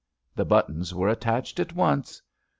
The buttons were attached at once.